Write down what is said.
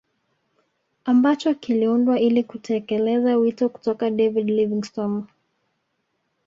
Ambacho kiliundwa ili kutekeleza wito kutoka David Livingstone